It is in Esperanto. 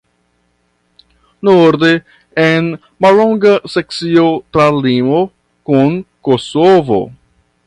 Norde en mallonga sekcio tra la limo kun Kosovo.